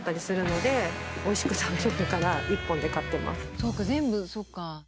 そっか全部そっか。